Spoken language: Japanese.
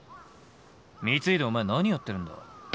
光秀お前何やってるんだ？